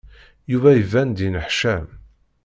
Yuba iban-d yenneḥcam.